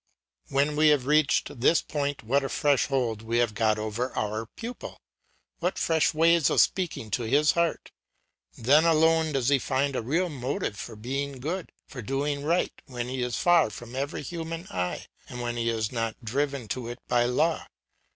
When we have reached this point, what a fresh hold we have got over our pupil; what fresh ways of speaking to his heart! Then alone does he find a real motive for being good, for doing right when he is far from every human eye, and when he is not driven to it by law.